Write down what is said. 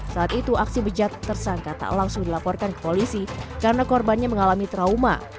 saat itu aksi bejat tersangka tak langsung dilaporkan ke polisi karena korbannya mengalami trauma